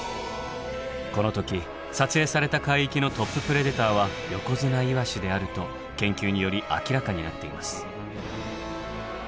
この時撮影された海域のトッププレデターはヨコヅナイワシであると研究により明らかになっています。